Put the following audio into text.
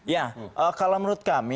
ya kalau menurut kami